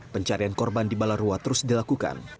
pencarian korban di balarua terus dilakukan